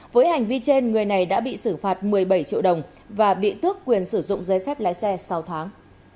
với hành vi trên người này đã bị xử phạt một mươi bảy triệu đồng và bị tước quyền sử dụng giấy phép lái xe sáu tháng